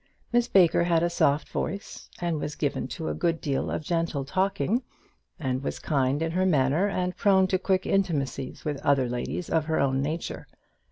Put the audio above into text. Miss Baker had a soft voice, was given to a good deal of gentle talking, was kind in her manner, and prone to quick intimacies with other ladies of her own nature.